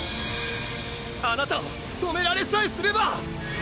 あなたを止められさえすれば！